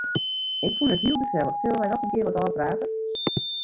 Ik fûn it heel gesellich, sille wy noch in kear wat ôfprate?